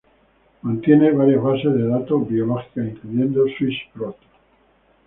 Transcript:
Mantiene varias bases de datos biológicas, incluyendo Swiss-Prot.